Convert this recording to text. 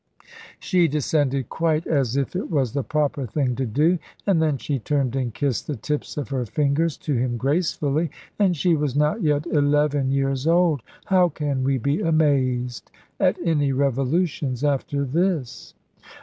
She descended quite as if it was the proper thing to do; and then she turned and kissed the tips of her fingers to him gracefully. And she was not yet eleven years old! How can we be amazed at any revolutions after this?